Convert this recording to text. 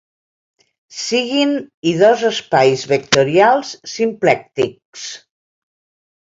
Siguin i dos espais vectorials simplèctics.